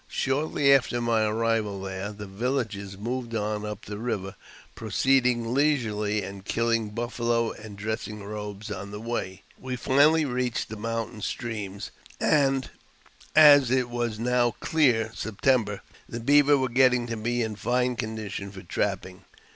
Shortly after my arrival there, the villages moved on up the river, proceeding leisurely, and killing buffalo and dressing robes on the way. We finally reached the moun tain streams, and, as it was now near September, the beaver were getting to be in fine condition for trapping.